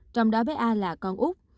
trong đó bé a là con úc